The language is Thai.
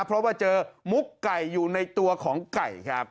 เพราะว่าเจอมุกไก่อยู่ในตัวของไก่ครับ